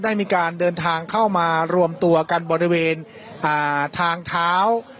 ได้มีการเดินทางเข้ามารวมตัวกันบริเวณทางเท้า